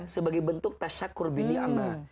sebagai bentuk tashakur bini'amah